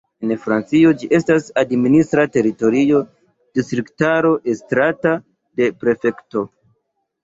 En Francio ĝi estas administra teritorio, distriktaro estrata de prefekto.